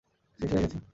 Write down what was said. শেষ হইয়া গেছে।